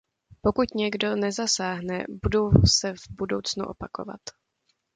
Pokud někdo nezasáhne, budou se v budoucnu opakovat.